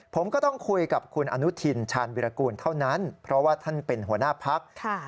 ผมก็ต้องคุยกับคุณอนุทินชาญวิรากูลเท่านั้นเพราะว่าท่านเป็นหัวหน้าพัก